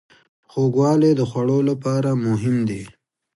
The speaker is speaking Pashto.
خوږوالی د خوړو لپاره مهم دی.